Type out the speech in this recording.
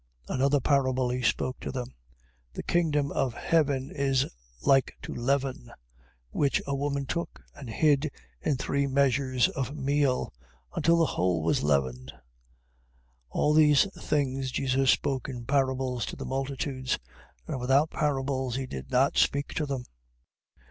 13:33. Another parable he spoke to them: The kingdom of heaven is like to leaven, which a woman took and hid in three measures of meal, until the whole was leavened. 13:34. All these things Jesus spoke in parables to the multitudes: and without parables he did not speak to them.